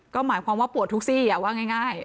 ก็หมายความว่าปวดทุกซี่ว่าง่าย